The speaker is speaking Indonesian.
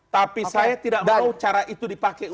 tapi saya tidak mau cara itu dipakai untuk